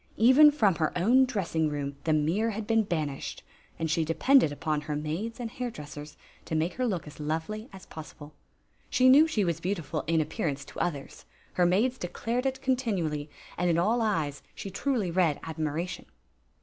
Even fror. her own dressing 'om " le mirror had ' ten banished, and she depended er naids and hair dressers to make her look as hi^dy a . possible. She knew she was beautiful in appearance to others; her maids declared it con tinually, aiKl in all ^es she truly read admiiation.